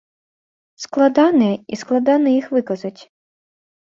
Складаныя і складана іх выказаць.